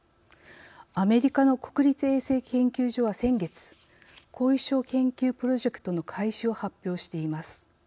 アメリカの国立衛生研究所は先月後遺症研究プロジェクトの開始を発表しています。